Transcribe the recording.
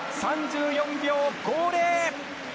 ３４秒５０。